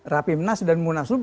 rapimnas dan munaslup